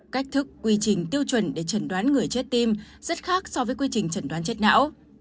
cách thức quy trình tiêu chuẩn để chẩn đoán người chết tim rất khác so với quy trình chẩn đoán chết não